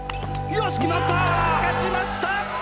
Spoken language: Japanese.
日本勝ちました！